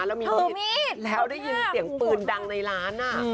ถือมีดตบหน้าแล้วได้ยินเสียงปืนดังในร้าน